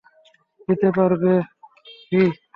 দিতে পারবে ফি?